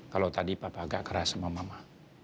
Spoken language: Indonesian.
kalau tadi bapak agak keras sama mama